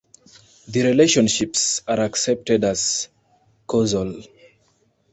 The relationships are accepted as causal.